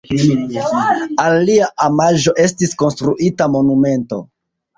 Al lia omaĝo estis konstruita monumento.